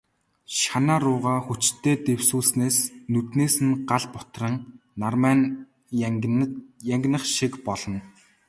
Шанаа руугаа хүчтэй дэлсүүлснээс нүднээс нь гал бутран, нармай нь янгинах шиг болно.